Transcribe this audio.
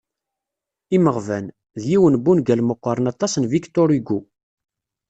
"Imeɣban" d yiwen n wungal meqqren aṭas n Victor Hugo.